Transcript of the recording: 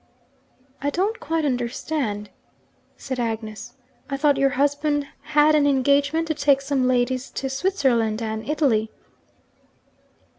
'I don't quite understand,' said Agnes. 'I thought your husband had an engagement to take some ladies to Switzerland and Italy?'